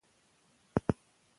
د ماشوم د تنده نښې ژر وپېژنئ.